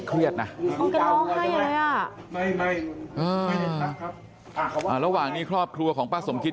ดูแกเครียดนะต้องแกล้วไห้เลยอ่ะระหว่างนี้ครอบครัวของป้าสมคิด